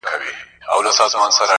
هغه چې کله د خاورې خټې جوړ ښکاري